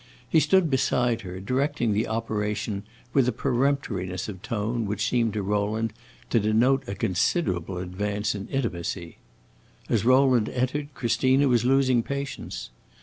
He stood beside her, directing the operation with a peremptoriness of tone which seemed to Rowland to denote a considerable advance in intimacy. As Rowland entered, Christina was losing patience.